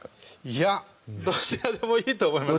いやどちらでもいいと思いますね